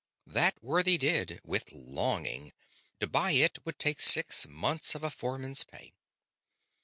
That worthy did, with longing; to buy it would take six months of a foreman's pay.